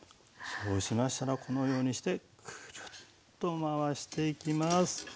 そうしましたらこのようにしてクルッと回していきます。